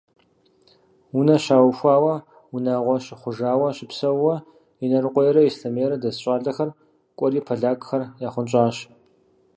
Унэ щаухуауэ, унагъуэ щыхъужауэ щыпсэууэ, Инарыкъуейрэ Ислъэмейрэ дэс щӏалэхэр кӏуэри полякхэр яхъунщӏащ.